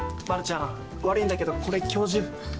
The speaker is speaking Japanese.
まるちゃん悪いんだけどこれ今日中。